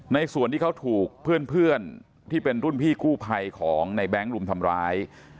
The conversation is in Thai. ส่วนที่เขาถูกเพื่อนที่เป็นรุ่นพี่กู้ภัยของในแบงค์รุมทำร้าย